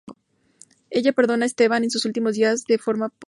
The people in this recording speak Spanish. Ella perdona a Esteban en sus últimos días, de forma póstuma.